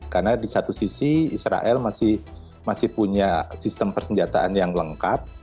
karena di satu sisi israel masih punya sistem persenjataan yang lengkap